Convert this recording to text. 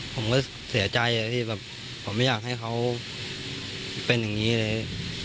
ผมก็เสียใจที่แบบผมไม่อยากให้เขาเป็นอย่างนี้เลย